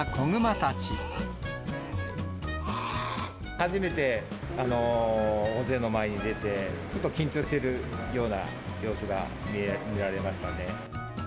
初めて大勢の前に出て、ちょっと緊張してるような様子が見られましたね。